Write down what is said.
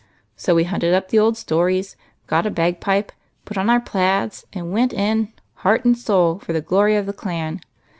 So we hunted up the old stories, got a bagpipe, put on our plaids, and went in, heart and soul, for the glory of the clan.